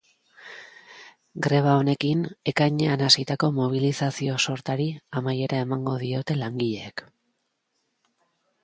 Greba honekin, ekainean hasitako mobilizazio sortari amaiera emango diote langileek.